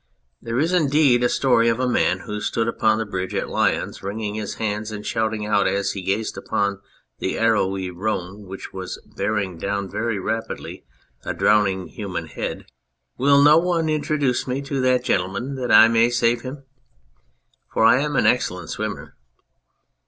There is, indeed, a story of a man who stood upon the bridge at Lyons wringing his hands and shouting out as he gazed upon the arrowy Rhone which was bearing down very rapidly a drowning human head :" Will no one introduce me to that gentleman that I may save him? For I am an excellent swimmer."